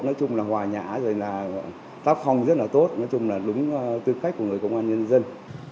nói chung là đúng tư cách của người công an nhân dân